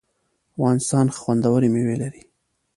افغانستان خوندوری میوی لري